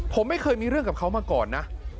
ผมไม่เคยมีเรื่องกับเขามาก่อนนะ